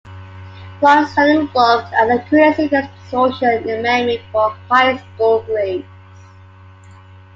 One study looked at the accuracy and distortion in memory for high school grades.